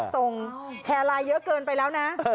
ส่งแชร์ไลน์เยอะเกินไปแล้วนะ